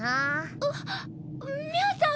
あっミャアさん！